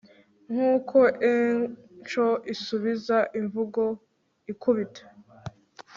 nkuko echo isubiza imvugo ikubita